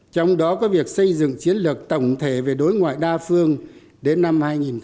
trong đó có việc xây dựng chiến lược tổng thể về đối ngoại đa phương đến năm hai nghìn ba mươi